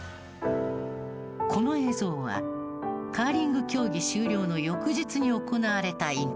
この映像はカーリング競技終了の翌日に行われたインタビュー。